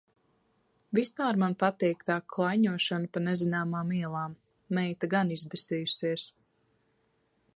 Vispār man patīk tā klaiņošana pa nezināmām ielām. Meita gan izbesījusies.